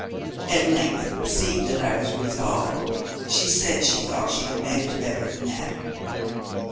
"At length, seeing that I was resolved, she said she thought she could manage better than that.